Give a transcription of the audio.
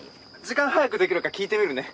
時間早くできるか聞いてみるね。